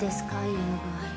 優の具合